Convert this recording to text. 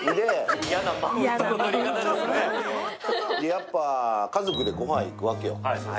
やっぱ家族でごはん行くわけよ。